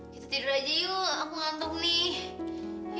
gitu tidur aja yuk aku ngantuk nih